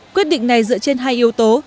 quyết định này dựa trên hai yếu tố